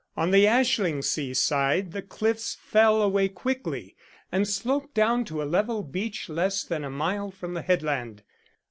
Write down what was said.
On the Ashlingsea side the cliffs fell away quickly, and sloped down to a level beach less than a mile from the headland.